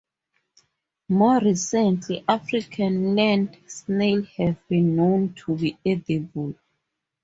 More recently, African land snails have been known to be edible.